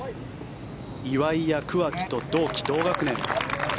岩井や桑木と同期、同学年。